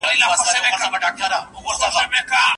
بریالي کسان د خپلو نظریو په هکله خبري کوي.